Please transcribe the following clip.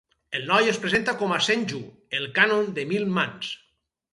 El noi es presenta com a Senju, el Kannon de mil mans.